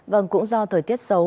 vâng cũng do thời tiết xấu